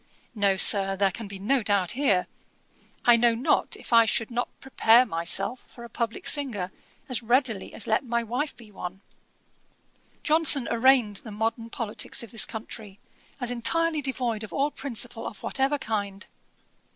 No, Sir, there can be no doubt here. I know not if I should not prepare myself for a publick singer, as readily as let my wife be one.' Johnson arraigned the modern politicks of this country, as entirely devoid of all principle of whatever kind.